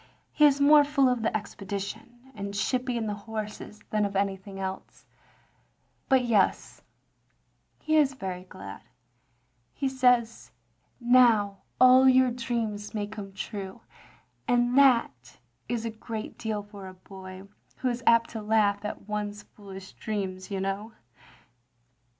He is more full of the expedition, OP GROSVENOR SQUARE 117 and shipping the horses, than of anything else, but yes — ^he is very glad. He says, 'Now all your dreams may come true, ' and that is a great deal for a boy, who is apt to laugh at one's foolish dreams, you know."